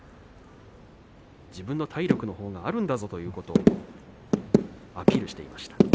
自分の体力のほうがあるんだぞということをアピールしていました。